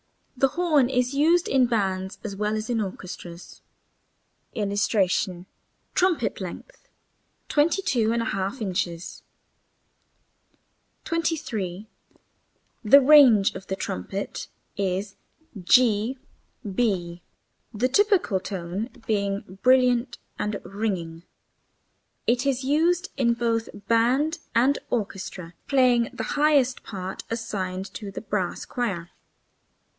The horn is used in bands as well as in orchestras. [Illustration: TRUMPET. Length, 22 1/2 in.] 23. The range of the trumpet is [Illustration: g b''], the typical tone being brilliant and ringing. It is used in both band and orchestra, playing the highest parts assigned to the brass choir.